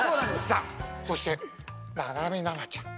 さっそしてななみななちゃん